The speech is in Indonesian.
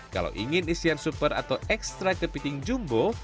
kalau ingin isian super atau ekstra kepiting jumbo